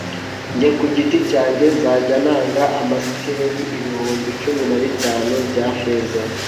jye ku giti cyanjye, nzajya ntanga amasikeli ibihumbi cumi na bitanu bya feza